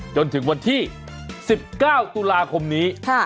จนถึงวันที่๑๙ตุลาคมนี้